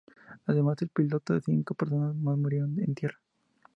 Además del piloto, cinco personas más murieron en tierra.